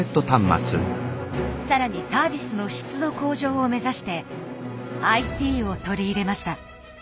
更にサービスの質の向上を目指してＩＴを取り入れました。